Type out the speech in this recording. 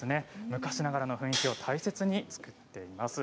昔ながらの雰囲気を大切にしています。